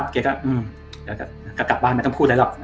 แกก็กลับบ้านไม่ต้องพูดอะไรหรอก